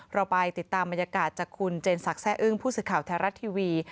เราไปติดตามบรรยากาศจากคุณเจนสักแร่อึ้งผู้สื่อข่าวไทยรัฐทีวี